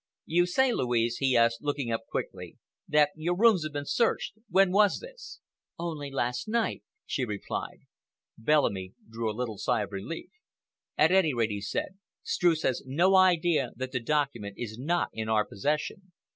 "You say, Louise," he asked, looking up quickly, "that your rooms have been searched. When was this?" "Only last night," she replied. Bellamy drew a little sigh of relief. "At any rate," he said, "Streuss has no idea that the document is not in our possession.